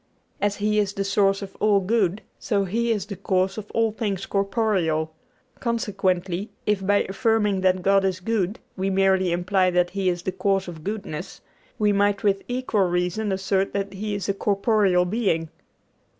As He is the source of all good, so He is the cause of all things corporeal; consequently, if by affirming that God is good we merely imply that He is the cause of goodness, we might with equal reason assert that He is a corporeal being.